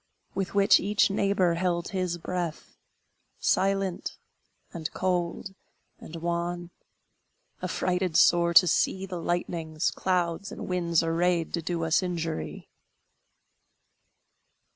With which each neighbor held his breath, Silent, and cold, and wan, Affrighted sore to see The lightnings, clouds, and winds arrayed, To do us injury!